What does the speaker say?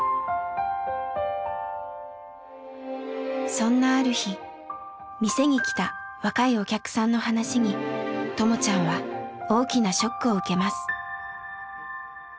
そんなある日店に来た若いお客さんの話にともちゃんは大きなショックを受けます。